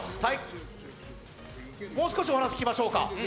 もう少し、お話、聞きましょうか。